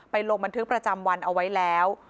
ลงบันทึกประจำวันเอาไว้แล้ว